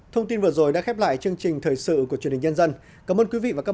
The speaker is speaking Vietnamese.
thông tin vừa rồi đã khép lại chương trình thời sự của truyền hình nhân dân cảm ơn quý vị và các bạn